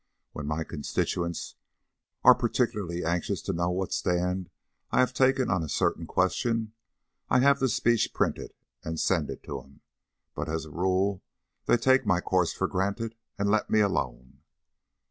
When my constituents are particularly anxious to know what stand I have taken on a certain question, I have the speech printed and send it to them; but as a rule they take my course for granted and let me alone."